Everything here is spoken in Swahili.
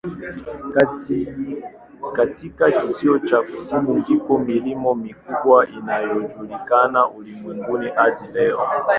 Katika kizio cha kusini ndipo milima mikubwa inayojulikana ulimwenguni hadi leo.